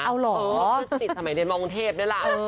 เออสนิททำไมเรียนมองเทพนี่ล่ะ